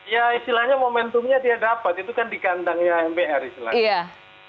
ya istilahnya momentumnya dia dapat itu kan di kandangnya mpr istilahnya